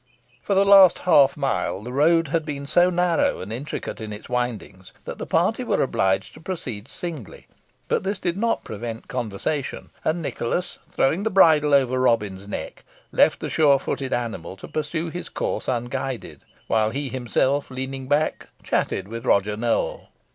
For the last half mile the road had been so narrow and intricate in its windings, that the party were obliged to proceed singly; but this did not prevent conversation; and Nicholas, throwing the bridle over Robin's neck, left the surefooted animal to pursue his course unguided, while he himself, leaning back, chatted with Roger Nowell.